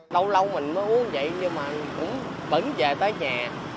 lâu lâu mình mới uống vậy nhưng mà cũng bẩn về tới nhà